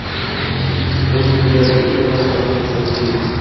O‘zimni dunyodagi eng iflos odamday his qilib ketdim...